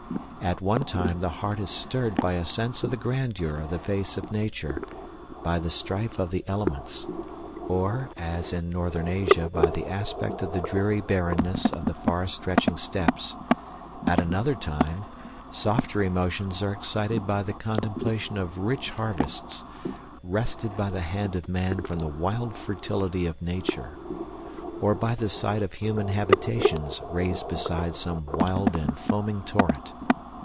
At one time the heart is stirred by a sense of the grandeur of the face of nature, by the strife of the elements, or, as in Northern Asia by the aspect of the dreary barrenness of the far stretching steppes; at another time, softer emotions are excited by the contemplation of rich harvests wrested by the hand of man from the wild fertility of nature, or by the sight of human habitations raised beside some wild and foaming torrent.